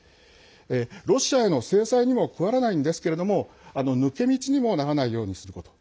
ロシアへの制裁にも加わらないんですけれども抜け道にもならないようにすること。